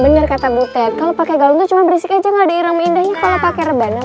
ngeliatin para santri yang pandangin lu itu pakai rebana ustaz